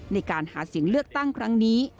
ในการหาเสียงเลือกตั้งครั้งนี้